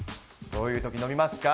どういうとき飲みますか？